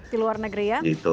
di luar negeri ya